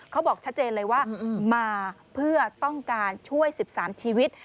เขาบอกชัดเจนเลยว่ามาเพื่อต้องการช่วย๑๓ชีวิต